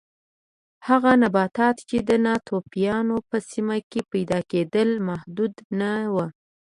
هغه نباتات چې د ناتوفیانو په سیمه کې پیدا کېدل محدود نه و